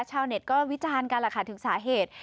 ชาวเน็ตก็วิจารณ์กันแหละค่ะถึงสาเหตุ